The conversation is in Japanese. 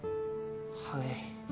はい。